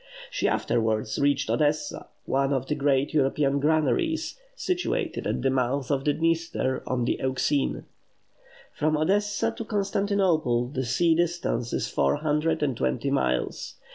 She afterwards reached Odessa, one of the great European granaries, situated at the mouth of the Dniester on the Euxine. From Odessa to Constantinople the sea distance is four hundred and twenty miles.